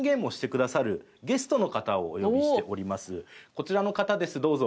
こちらの方ですどうぞ。